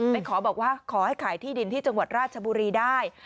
ไปขอบอกว่าขอให้ขายที่ดินที่จังหวัดราชบุรีได้